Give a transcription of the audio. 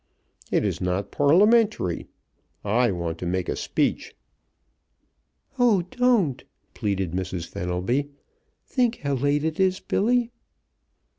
It is not parliamentary. I want to make a speech." "Oh, don't!" pleaded Mrs. Fenelby. "Think how late it is, Billy."